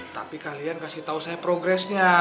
tapi kalian kasih tahu saya progresnya